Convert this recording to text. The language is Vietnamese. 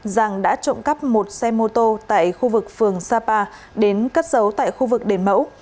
giang đã trộm cắp một xe mô tô tại khu vực phường sapa đến cất giấu tại khu vực đền mẫu